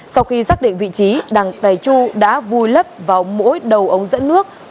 sau khi xác định vị trí đặng tài chu đã vui lấp vào mỗi đầu ống dẫn nước